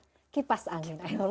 gak apa apa berat